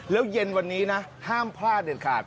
แล้วเย็นวันนี้นะห้ามพลาดเด็ดขาด